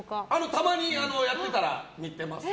たまにやってたら見てます。